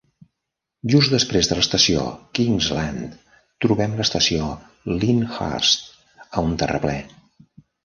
Just després de l"estació Kingsland trobem l"estació Lyndhurst, a un terraplè.